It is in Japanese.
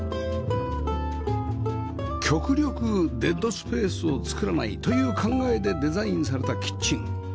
極力デッドスペースを作らないという考えでデザインされたキッチン